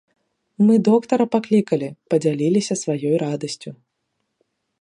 Мы доктара паклікалі, падзяліліся сваёй радасцю.